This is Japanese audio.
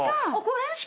これ？